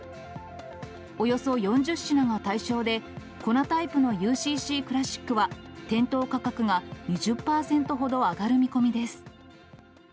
およそ４０品が対象で、粉タイプのＵＣＣクラシックは店頭価格が２０％ほど上がる見込みです。